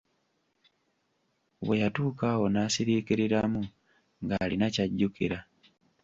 Bwe yatuuka awo n'asiriikiriramu ng'alina kyajjukira.